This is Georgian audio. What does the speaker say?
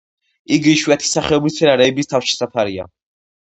იგი იშვიათი სახეობის მცენარეების თავშესაფარია.